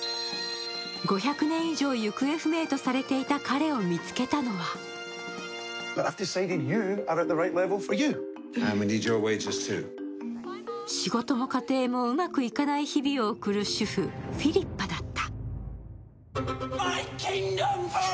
５００年以上行方不明とされていた彼を見つけたのは仕事も家庭もうまくいかない日々を送る主婦・フィリッパだった。